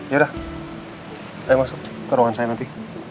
yaudah saya masuk ke ruangan saya nanti